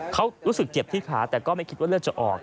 เขารู้สึกเจ็บที่ขาแต่ก็ไม่คิดว่าเลือดจะออก